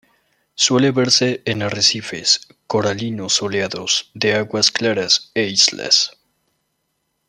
Suele verse en arrecifes coralinos soleados, de aguas claras e islas.